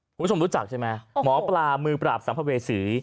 คุณผู้ชมรู้จักใช่ไหมหมอปลามือปราบสัมภเวษี